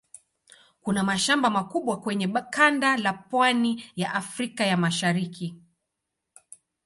Kuna mashamba makubwa kwenye kanda la pwani ya Afrika ya Mashariki.